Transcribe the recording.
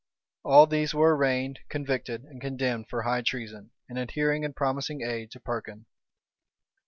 All these were arraigned, convicted, and condemned for high treason, in adhering and promising aid to Perkin.